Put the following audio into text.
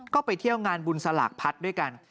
ก็ไปเที่ยวงานบุญสลากพัดด้วยกัน